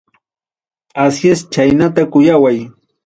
Asíes chaynata kuyaway.